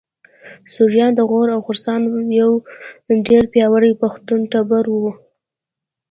سوریان د غور او خراسان یو ډېر پیاوړی پښتون ټبر و